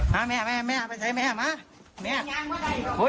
มาแม่แม่แม่พาเฉยแม่มาโอ้ย